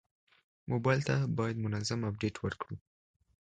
موبایل ته باید منظم اپډیټ ورکړو.